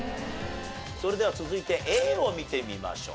それでは続いてＡを見てみましょう。